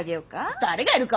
誰がいるか！